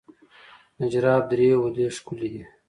نجراب درې ولې ښکلې دي؟